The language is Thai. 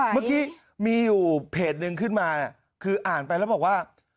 เมื่อกี้มีอยู่เพจนึงขึ้นมาคืออ่านไปแล้วบอกว่า